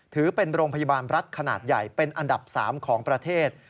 ถือเป็นโรงพยาบาลรัฐขนาดใหญ่เป็นอันดับ๓ของประเทศ